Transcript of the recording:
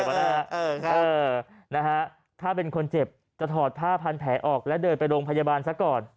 เออนะฮะถ้าเป็นคนเจ็บจะถอดผ้าพันแผลออกและเดินไปโรงพยาบาลซะก่อน